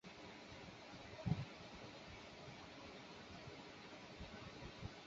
স্বাধীনতার পরে ভট্টাচার্য রাজনীতিতে যোগ দিয়েছিলেন এবং সামাজিক কাজে নিবেদিত ছিলেন।